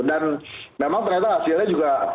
dan memang ternyata hasilnya juga